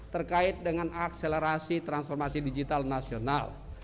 terkait dengan akselerasi transformasi digital nasional